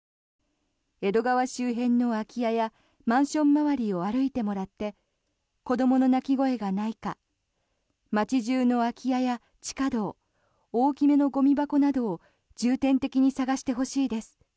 江戸川周辺の空き家やマンション周りを歩いてもらって子どもの泣き声がないか街中の空き家や地下道大きめのゴミ箱などを重点的に探してほしいです。